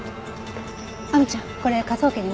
亜美ちゃんこれ科捜研に持ち帰って。